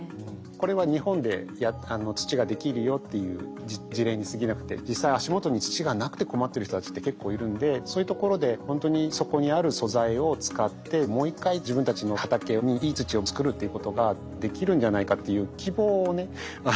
これは日本で土ができるよっていう事例にすぎなくて実際足元に土がなくて困ってる人たちって結構いるんでそういうところでほんとにそこにある素材を使ってもう一回自分たちの畑にいい土を作るっていうことができるんじゃないかっていう希望をね